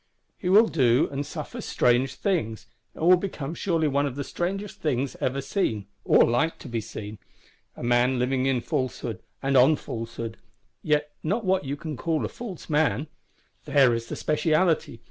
He will do and suffer strange things; and will become surely one of the strangest things ever seen, or like to be seen. A man living in falsehood, and on falsehood; yet not what you can call a false man: there is the specialty!